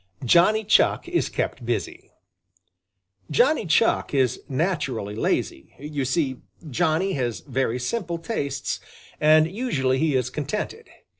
JOHNNY CHUCK IS KEPT BUSY Johnny Chuck is naturally lazy. You see, Johnny has very simple tastes and usually he is contented.